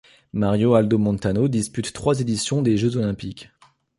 Mario Aldo Montano dispute trois éditions des Jeux olympiques.